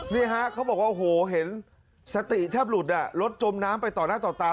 นี่ฮะเขาบอกว่าโอ้โหเห็นสติแทบหลุดรถจมน้ำไปต่อหน้าต่อตา